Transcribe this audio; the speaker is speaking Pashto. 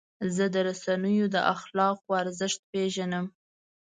زه د رسنیو د اخلاقو ارزښت پیژنم.